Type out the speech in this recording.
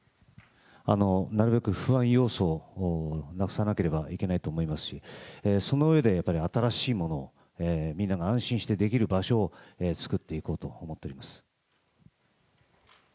なるべく不安要素をなくさなければいけないと思いますし、その上でやはり新しいものを、みんなが安心してできる場所を作っていこうと思っております。